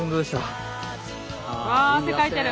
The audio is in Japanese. あ汗かいてる！